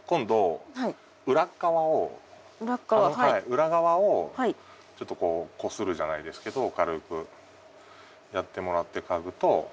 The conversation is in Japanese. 裏側をちょっとこうこするじゃないですけど軽くやってもらって嗅ぐとより。